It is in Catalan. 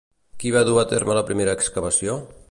Qui va dur a terme la primera excavació?